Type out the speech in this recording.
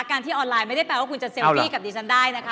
การที่ออนไลน์ไม่ได้แปลว่าคุณจะเซลฟี่กับดิฉันได้นะคะ